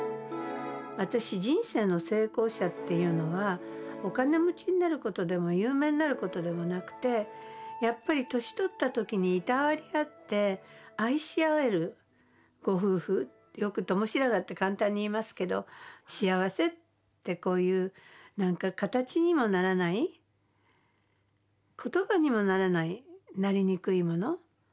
私人生の成功者っていうのはお金持ちになることでも有名になることでもなくてやっぱり年取った時にいたわり合って愛し合えるご夫婦よく共白髪って簡単に言いますけど幸せってこういう形にもならない言葉にもならないなりにくいもの。